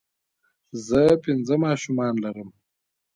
زۀ پنځه ماشومان لرم